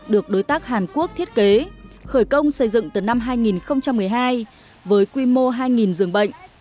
được đối tác hàn quốc thiết kế khởi công xây dựng từ năm hai nghìn một mươi hai với quy mô hai giường bệnh